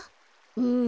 うん。